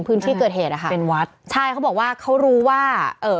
พื้นที่เกิดเหตุนะคะใช่เขาบอกว่าเขารู้ว่า